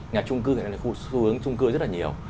nhà trung cư này khu xuống trung cư rất là nhiều